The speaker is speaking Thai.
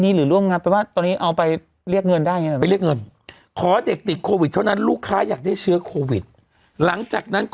หลังจากนั้นรับจากนั้น